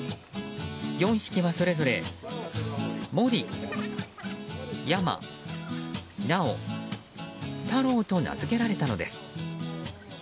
４匹はそれぞれモリ、ヤマ、ナオ、タロウと名づけられたのです。